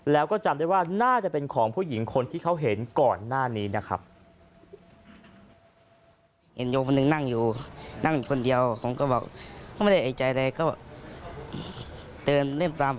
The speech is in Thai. แล้วก็จำได้ว่าน่าจะเป็นของผู้หญิงคนที่เขาเห็นก่อนหน้านี้นะครับ